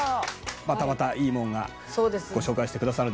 またまたいいものがご紹介してくださるんでしょうね。